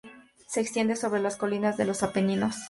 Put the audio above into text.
Se extiende sobre las colinas de los Apeninos.